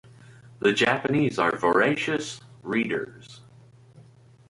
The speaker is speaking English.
The Japanese are voracious readers.